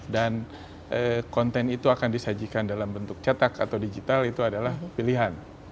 dan konten itu akan disajikan dalam bentuk cetak atau digital itu adalah pilihan